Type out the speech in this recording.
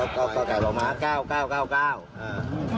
๒กล่อไก่บ่อม้ากล่อไก่